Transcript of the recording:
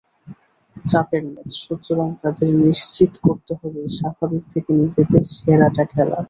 চাপের ম্যাচ, সুতরাং আমাদের নিশ্চিত করতে হবে স্বাভাবিক থেকে নিজেদের সেরাটা খেলা।